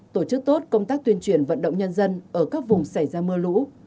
tổ chức tốt công tác tuyên truyền vận động nhân dân ở các vùng xảy ra mưa lũ